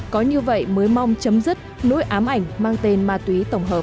có như vậy mới mong chấm dứt nỗi ám ảnh mang tên ma túy tổng hợp